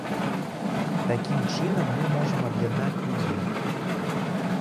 Такім чынам мы можам аб'яднаць людзей.